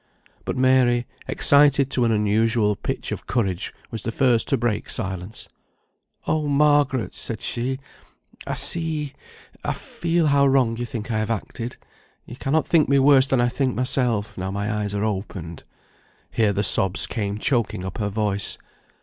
But Mary, excited to an unusual pitch of courage, was the first to break silence. "Oh, Margaret!" said she, "I see I feel how wrong you think I have acted; you cannot think me worse than I think myself, now my eyes are opened." Here her sobs came choking up her voice.